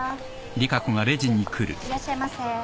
いらっしゃいませ。